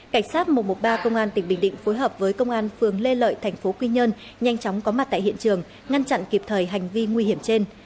cảnh sát một trăm một mươi ba tỉnh bình định phối hợp với công an phường lê lợi tp quy nhơn nhanh chóng có mặt tại hiện trường ngăn chặn kịp thời hành vi nguy hiểm trên